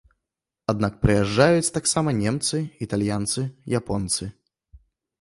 Аднак прыязджаюць таксама немцы, італьянцы, японцы.